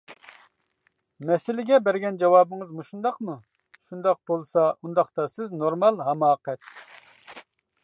مەسىلىگە بەرگەن جاۋابىڭىز مۇشۇنداقمۇ؟ شۇنداق بولسا، ئۇنداقتا سىز «نورمال ھاماقەت» .